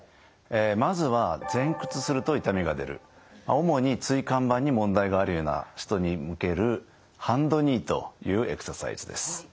まずは前屈すると痛みが出る主に椎間板に問題があるような人に向けるハンドニーというエクササイズです。